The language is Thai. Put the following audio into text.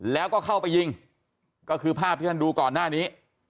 แล้วก็เข้าไปยิงก็คือภาพที่ท่านดูก่อนหน้านี้